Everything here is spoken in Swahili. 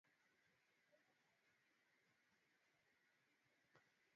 na kuufanya kuwa mlima wa sita kwa urefu nchini